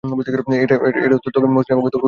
এটা তোর ত্বককে মসৃণ এবং উজ্জ্বল করে তুলবে।